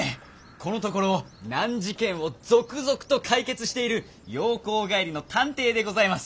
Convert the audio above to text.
このところ難事件を続々と解決している洋行帰りの探偵でございます。